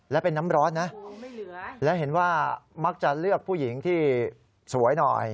และเป็นน้ำร้อนนะและเห็นว่ามักจะเลือกผู้หญิงที่สวยหน่อย